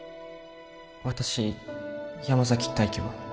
私山崎大輝は